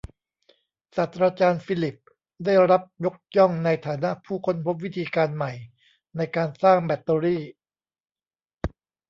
ศาสตราจารย์ฟิลลิปส์ได้รับยกย่องในฐานะผู้ค้นพบวิธีการใหม่ในการสร้างแบตเตอรี่